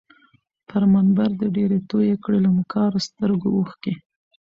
پر منبر دي ډیري توی کړې له مکارو سترګو اوښکي